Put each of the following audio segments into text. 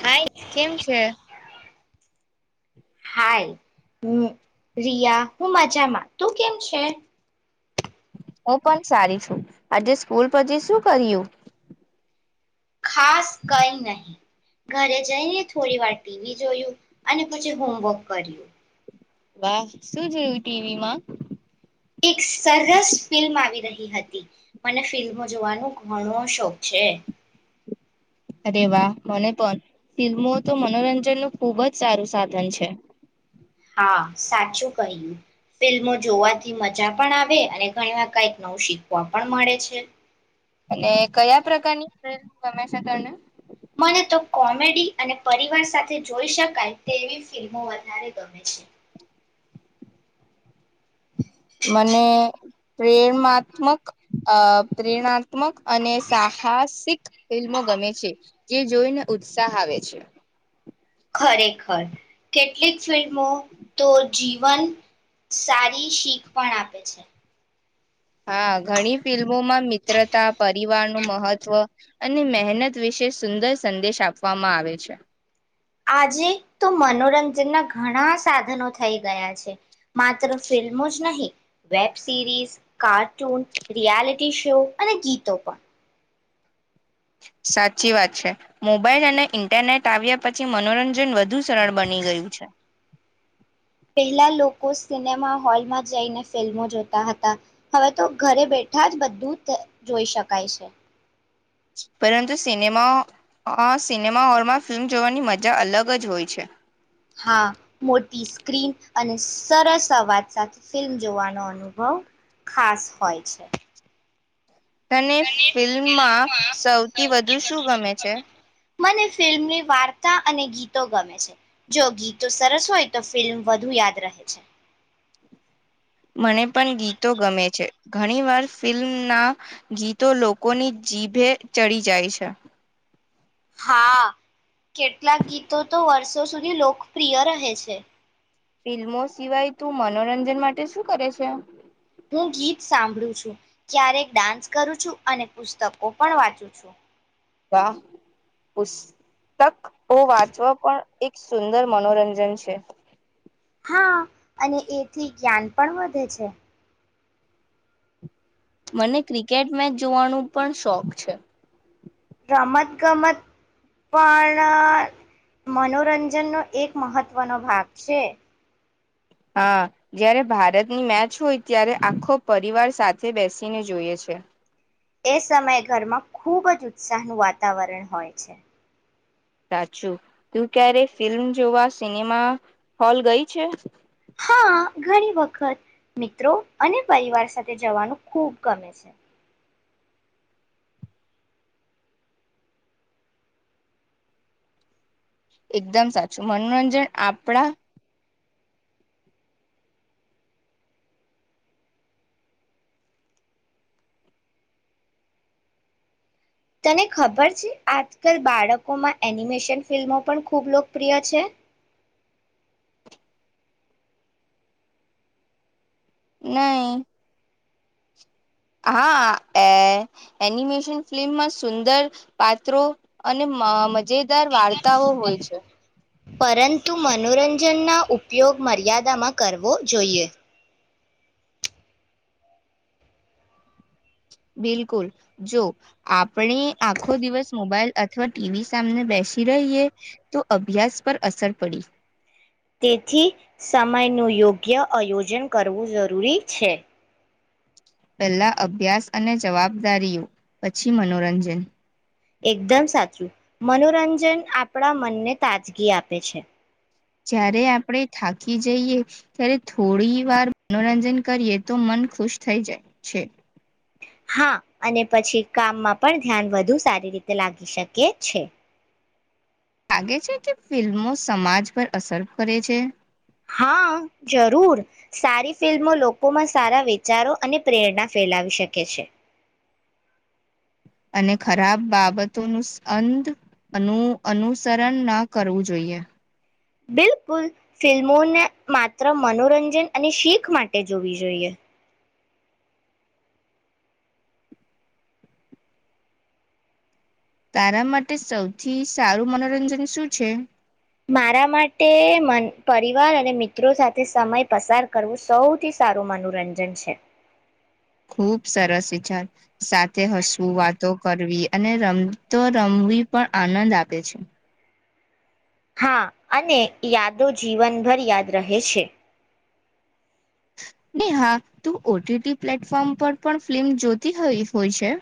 હાય કેમ છે? હાય, હું રિયા, હું મજામાં. તું કેમ છે? હું પન સારી છું. આજે સ્કૂલ પછી સું કર્યું? ખાસ કંઈ નહીં. ઘરે જઈને થોડી વાર ટીવી જોયું. અને પછી હોમવર્ક કર્યું. વાહ! શું જોયું ટીવીમાં? એક સરસ ફિલ્મ આવી રહી હતી. મને ફિલ્મો જોવાનો ઘણો શોખ છે. અરે વાહ! મને પણ. ફિલ્મો તો મનોરંજનનું ખૂબ જ સારું સાધન છે. હા, સાચું કહ્યું. ફિલ્મો જોવા થી મજા પણ આવે અને ઘણીવાર કંઈક નવું શીખવા પણ મળે છે. અને કયા પ્રકારની ફિલ્મ ગમે છે તને? મને તો કોમેડી અને પરિવાર સાથે જોઈ શકાય તેવી ફિલ્મો વધારે ગમે છે. મને પ્રેમાત્મક અ પ્રેરણાત્ ત્મક અને સાહસિક ફિલ્મો ગમે છે જે જોઈને ઉત્સાહ આવે છે. ખરેખર કેટલીક ફિલ્મો તો જીવન સારી શીખ પણ આપે છે. હા ઘણી ફિલ્મ મોમાં મિત્રતા પરિવાર નું મહત્વ અને મહેનત વિશે સુંદર સંદેશ આપવામાં આવે છે. આજે તો મનોરંજનના ઘણા સાધનો થઈ ગયા છે. માત્ર ફિલ્મો જ નહીં web series, cartoon, reality show અને ગીતો પણ સાચી વાત છે. મોબાઈલ અને ઈન્ટરનેટ આવ્યા પછી મનોરંજન વધુ સરળ બની ગયું છે. પહેલા લોકો સિનેમા હોલમાં જઈને ફિલ્મો જોતા હતા. હવે તો ઘરે બેઠા જ બધું જોઈ શકાય છે. પરંતુ આ સિનેમા અ-સિનેમા હોલમાં ફિલ્મ જોવાની મજા અલગ જ હોય છે. હા મોટી સ્ક્રીન અને સરસ અવાજ સાથે ફિલ્મ જોવાનો અનુભવ ખાસ હોય છે. તને ફિલ્મમાં સૌથી વધુ શું ગમે છે? મને ફિલ્મની વાર્તા અને ગીતો ગમે છે. જો ગીતો સરસ હોય તો ફિલ્મ વધુ યાદ રહે છે. મને પણ ગીતો ગમે છે. ઘણીવાર ફિલ્મના ગીતો લોકોની જીભે ચડી જાય છે. હા કેટલાક ગીતો તો વર્ષો સુધી લોકપ્રિય રહે છે. ફિલ્મો સિવાય તું મનોરંજન માટે શું કરે છે? હું ગીત સાંભળું છું. ક્યારેક ડાન્સ કરું છું અને પુસ્તકો પણ વાંચું છું. પુસ્તકઓ વાંચવા પણ એક સુંદર મનોરંજન છે. હા અને એથી જ્ઞાન પણ વધે છે. મને ક્રિકેટ મેચ જોવાનું પણ શોખ છે. રમત ગમત પણ મનોરંજનનો એક મહત્વનો ભાગ છે. હા જ્યારે ભારતની મેચ હોય ત્યારે આખો પરિવાર સાથે બેસીને જોઈએ છે. એ સમયે ઘરમાં ખૂબ જ ઉત્સાહનું વાતાવરણ હોય છે. સાચું તું ક્યારે ફિલ્મ જોવા સિનેમા હોલ ગઈ છે. હા ઘણી વખત મિત્રો અને પરિવાર સાથે જવાનું ખૂબ ગમે છે. એકદમ સાચું મનોરંજન આપણા તને ખબર છે આજકાલ બાળકોમાં એનિમેશન ફિલ્મો પણ ખૂબ લોકપ્રિય છે. નઈ, હા, એ એનિમેશન ફિલ્મમાં સુંદર પાત્રો અને મ મજેદાર વાર્તાઓ હોય છે. પરંતુ મનોરંજનના ઉપયોગ મર્યાદામાં કરવો જોઈએ. બિલકુલ જો આપણે આખો દિવસ મોબાઈલ અથવા ટીવી સામને બેસી રહીએ તો અભ્યાસ પર અસર પડી તેથી સમયનું યોગ્ય આયોજન કરવું જરૂરી છે. પહેલા અભ્યાસ અને જવાબદારીઓ પછી મનોરંજન. એકદમ સાચું, મનોરંજન આપણા મનને તાજગી આપે છે. જ્યારે આપણે થાકી જઈએ ત્યારે થોડી વાર મનોરંજન કરીએ તો મન ખુશ થઈ જાય છે. હા અને પછી કામમાં પણ ધ્યાન વધુ સારી રીતે લાગી શકે છે. લાગે છે કે ફિલ્મો સમાજ પર અસર કરે છે? હા જરૂર, સારી ફિલ્મો લોકોમાં સારા વિચારો અને પ્રેરણા ફેલાવી શકે છે. અને ખરાબ બાબતોનું અંધ અનુ-અનુસરણ ન કરવું જોઈએ. બિલકુલ, ફિલ્મોને માત્ર મનોરંજન અને શીખ માટે જોવી જોઈએ. તારા માટે સૌથી સારું મનોરંજન શું છે? મારા માટે મ-પરિવાર અને મિત્રો સાથે સમય પસાર કરવો સૌથી સારું મનોરંજન છે. ખૂબ સરસ વિચાર. સાથે હસવું, વાતો કરવી અને રમતો રમવી પણ આનંદ આપે છે. હા અને યાદો જીવનભર યાદ રહે છે. ને હા તું ઓટીટી પ્લેટફોર્મ પર પણ ફિલ્મ જોતી હોય હોય છે?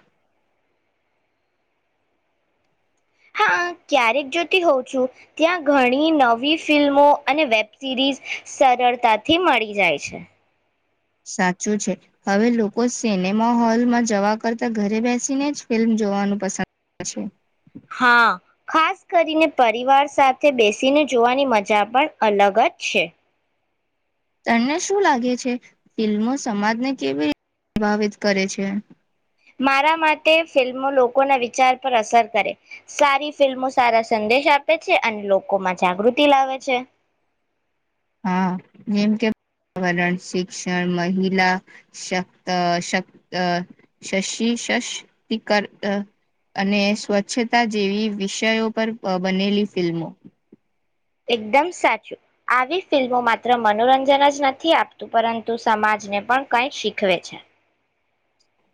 હા ક્યારેક જોતી હોઉં છું. ત્યાં ઘણી નવી ફિલ્મો અને વેબ સિરીઝ સરળતાથી મળી જાય છે. સાચું છે. હવે લોકો સિનેમા હોલમાં જવા કરતાં ઘરે બેસીને જ ફિલ્મ જોવાનું પસંદ કરે છે. હા ખાસ કરીને પરિવાર સાથે બેસીને જોવાની મજા પણ અલગ જ છે. તને શું લાગે છે? ફિલ્મો સમાજને કેવી રીતે પ્રભાવિત કરે છે? મારા માટે ફિલ્મો લોકોને વિચાર પર અસર કરે. સારી ફિલ્મો સારા સંદેશ આપે છે અને લોકોમાં જાગૃતિ લાવે છે. હા જેમ કે પર્યાવરણ શિક્ષણ, મહિલા, શક-અ-શક-અ-સશી-સશ- સશક્તિકરણ અને સ્વચ્છતા જેવી વિષયો પર બનેલી ફિલ્મો. એકદમ સાચું આવી ફિલ્મો માત્ર મનોરંજન જ નથી આપતું પરંતુ સમાજને પણ કંઈ શીખવે છે.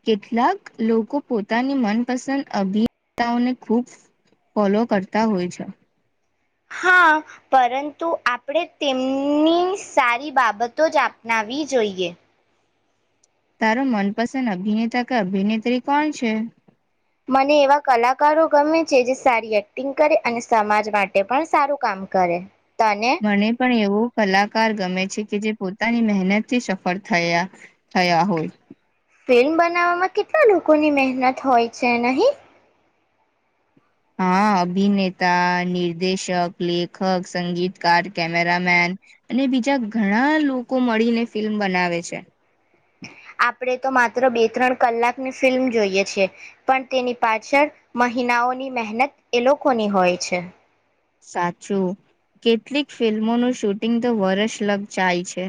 કેટલાક લોકો પોતાની મનપસંદ અભિનેતાઓને ખૂબ ફોલો કરતા હોય છે. હા પરંતુ આપણે તેમની સારી બાબતો જ આપનાવી જોઈએ. તારો મનપસંદ અભિનેતા કે અભિનેત્રી કોણ છે? મને એવા કલાકારો ગમે છે જે સારી એક્ટિંગ કરે અને સમાજ માટે પણ સારું કામ કરે. તને મને પણ એવો કલાકાર ગમે છે કે જે પોતાની મહેનત થી સફળ થયા થયા હોય. ફિલ્મ બનાવવામાં કેટલા લોકોની મહેનત હોય છે નહી? હા અભિનેતા, નિર્દેશક, લેખક, સંગીતકાર, કેમેરામેન અને બીજા ઘણા લોકો મળીને ફિલ્મ બનાવે છે. આપણે તો માત્ર બે ત્રણ કલાકની ફિલ્મ જોઈએ છીએ પણ તેની પાછળ મહિનાઓની મહેનત એ લોકોની હોય છે. સાચું કેટલીક ફિલ્મોનું શૂટિંગ તો વર્ષ લગ જાય છે.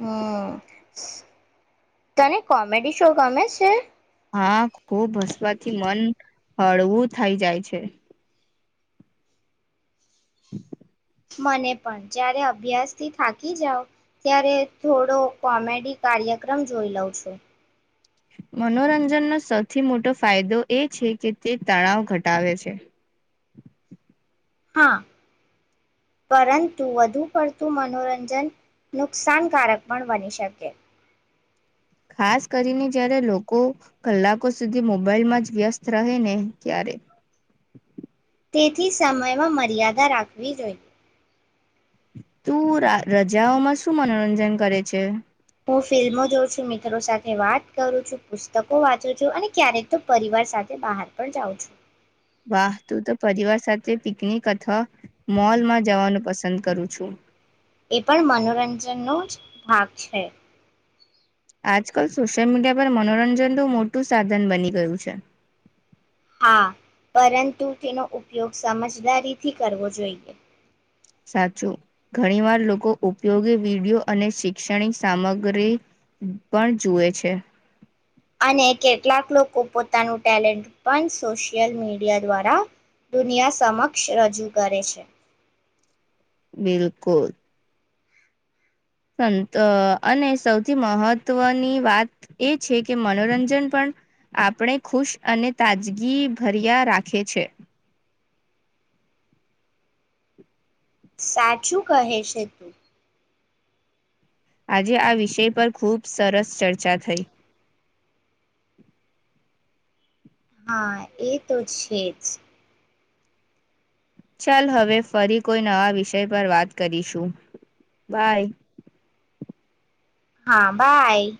હઅ. તને કોમેડી શો ગમે છે? હા ખુબ હસવાથી મન હળવું થઇ જાય છે. મને પણ જ્યારે અભ્યાસથી થાકી જાવ ત્યારે થોડો કોમેડી કાર્યક્રમ જોઈ લઉં છો. મનોરંજનનો સૌથી મોટો ફાયદો એ છે કે તે તણાવ ઘટાવે છે. હા પરંતુ વધુ પડતું મનોરંજન નુકસાનકારક પણ બની શકે. ખાસ કરીને જ્યારે લોકો કલાકો સુધી મોબાઈલમાં જ વ્યસ્ત રહે ને ત્યારે. તેથી સમયમાં મર્યાદા રાખવી જોઈએ. તું રા રજાઓમાં શું મનોરંજન કરે છે? હું ફિલ્મો જોઉં છું, મિત્રો સાથે વાત કરું છું, પુસ્તકો વાંચું છું, અને ક્યારેક તો પરિવાર સાથે બહાર પણ જાઉં છું. વાહ તું તો પરિવાર સાથે પિકનિક અથવા મોલમાં જવાનું પસંદ કરું છું. એ પણ મનોરંજનનો જ ભાગ છે. આજકાલ સોશિયલ મીડિયા પર મનોરંજનનું મોટું સાધન બની ગયું છે. હા પરંતુ તેનો ઉપયોગ સમજદારીથી કરવો જોઈએ. સાચું ઘણીવાર લોકો ઉપયોગી વિડીયો અને શૈક્ષણિક સામગ્રી પણ જુએ છે. અને કેટલાક લોકો પોતાનું ટેલેન્ટ પણ સોશિયલ મીડિયા દ્વારા દુનિયા સમક્ષ રજૂ કરે છે. બિલકુલ સંત અને સૌથી મહત્ત્વની વાત એ છે કે મનોરંજન પણ આપણે ખુશ અને તાજગીભર્યા રાખે છે. સાચું કહે છે તું આજે આ વિષય પર ખૂબ સરસ ચર્ચા થઈ. હા એ તો છે જ ચાલ હવે ફરી કોઈ નવા વિષય પર વાત કરીશું બાય. હા બાય.